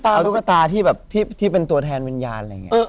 เอาตุ๊กตาที่แบบที่เป็นตัวแทนวิญญาณอะไรอย่างนี้